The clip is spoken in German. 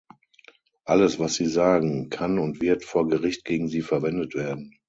Alles, was Sie sagen, kann und wird vor Gericht gegen Sie verwendet werden.